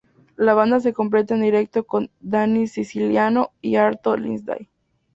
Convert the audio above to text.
La banda se completa en directo con "Dani Siciliano" y "Arto Lindsay".